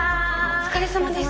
お疲れさまです。